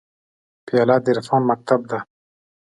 پیاله د عرفان مکتب ده.